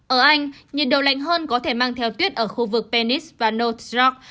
ở anh nhiệt độ lạnh hơn có thể mang theo tuyết ở khu vực penis và north rock